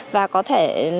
và có thể